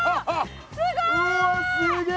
すごい！